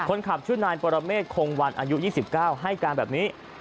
คนขับชื่อนายปรเมฆคงวันอายุยี่สิบเก้าให้การแบบนี้